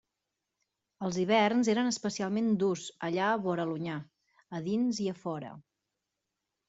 Els hiverns eren especialment durs allà vora l'Onyar, a dins i a fora.